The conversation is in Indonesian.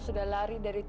tepat sekali andek itu